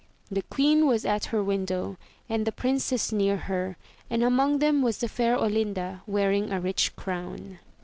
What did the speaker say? The queen was at her window, and the princess near her, and among them was the fair Olinda wearing a rich crown.